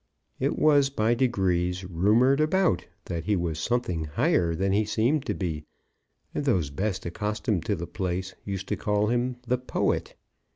It was by degrees rumoured about that he was something higher than he seemed to be, and those best accustomed to the place used to call him the Poet.